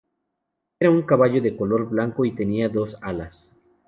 Era un caballo con el color blanco y tenía dos alas.